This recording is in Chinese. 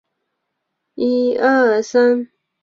大中华地区的报章及网站亦多数给予了本片正面评价。